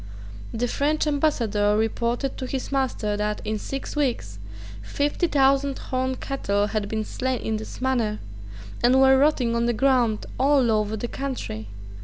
The French ambassador reported to his master that, in six weeks, fifty thousand horned cattle had been slain in this manner, and were rotting on the ground all over the country.